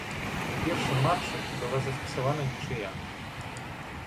У першым матчы была зафіксавана нічыя.